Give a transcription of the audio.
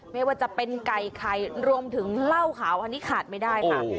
ไม่ว่าจะเป็นไก่ไข่รวมถึงเหล้าขาวอันนี้ขาดไม่ได้ค่ะ